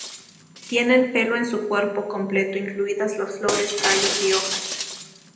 Tienen pelo en su cuerpo completo, incluidas las flores, tallos y hojas.